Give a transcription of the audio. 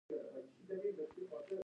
دوی حکومت ته راپورونه ورکوي.